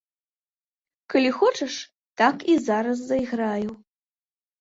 Калі хочаш, так і зараз зайграю.